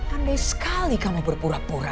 andai sekali kamu berpura pura